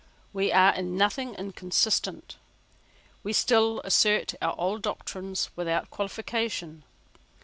We are in nothing inconsistent. We still assert our old doctrines without qualification.